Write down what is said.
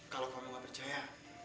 kalau kamu gak percaya